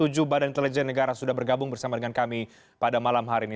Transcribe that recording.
tujuh badan intelijen negara sudah bergabung bersama dengan kami pada malam hari ini